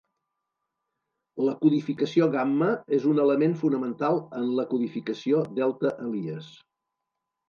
La codificació gamma és un element fonamental en la codificació delta Elias.